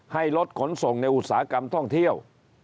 ให้ลดขนส่งในอุตสาหกรรมท่องเที่ยว